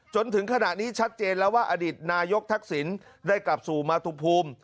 จนถึงขณะนี้ชัดเจนแล้วว่าอดีตนายกทักษิณได้กลับสู่มาทุภูมิ